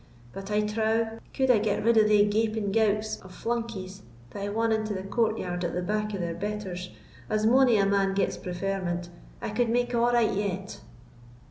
But I trow, could I get rid of thae gaping gowks of flunkies that hae won into the courtyard at the back of their betters, as mony a man gets preferment, I could make a' right yet."